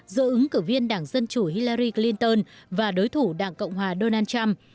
giữa ứng cử viên đảng dân chủ hillary clinton và đối thủ đảng cộng hòa donald trump